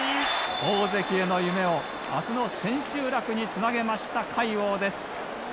大関への夢を明日の千秋楽につなげました魁皇です。